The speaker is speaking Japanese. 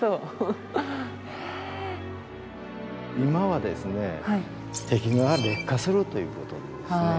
今はですね壁画が劣化するということでですね